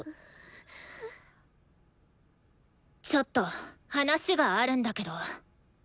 ちょっと話があるんだけど。